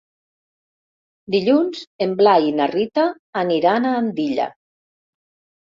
Dilluns en Blai i na Rita aniran a Andilla.